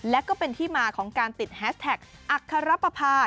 และก็เป็นที่มาของการติดแฮสแท็กอัครปภา